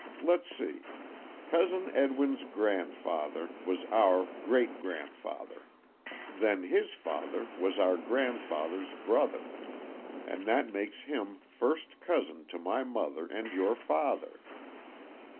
Let's see. Cousin Edwin's grandfather was our great grandfather; then his father was our grandfather's brother, and that makes him first cousin to my mother and your father.